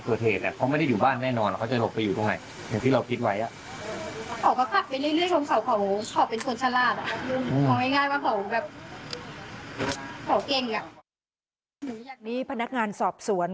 หรืออย่างนี้พนักงานสอบสวน